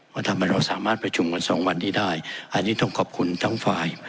ว่าทำไมเราสามารถประชุมกัน๒วันได้อันนี้ต้องขอบคุณทั้งฝ่าย